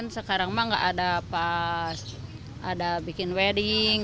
sekarang memang tidak ada apa apa ada bikin wedding